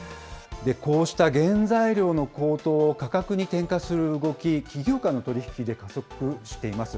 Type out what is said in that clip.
こうした原材料の高騰を価格に転化する動き、企業間の取り引きで加速しています。